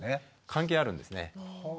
関係あるんですね。